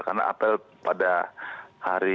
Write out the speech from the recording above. karena apel pada hari